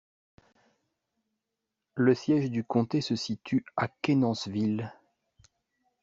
Le siège du comté se situe à Kenansville.